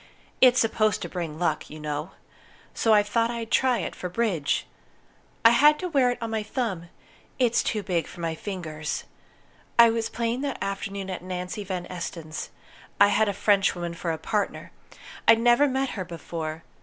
It's supposed to bring luck, you know. So I thought I'd try it, for bridge. I had to wear it on my thumb; it's too big for my fingers. I was playing that afternoon at Nancy Van Esten's. I had a Frenchwoman for a partner. I'd never met her before.